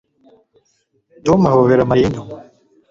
Tom ahobera Mariya inyuma